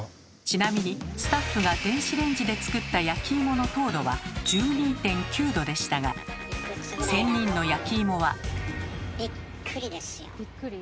ちなみにスタッフが電子レンジで作った焼き芋の糖度は１２．９度でしたがびっくりですよ。